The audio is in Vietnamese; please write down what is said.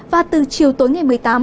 và từ chiều tối ngày một mươi tám